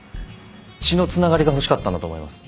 血のつながりが欲しかったんだと思います。